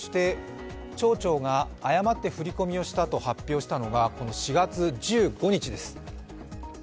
町長が誤って振込をしたと発表をしたのが４月１５日です。